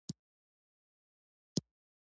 د افغانستان جغرافیه کې هندوکش ستر اهمیت لري.